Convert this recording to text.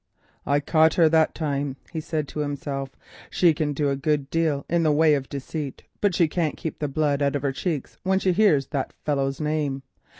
"I caught her that time," he said to himself; "she can do a good deal in the way of deceit, but she can't keep the blood out of her cheeks when she hears that fellow's name.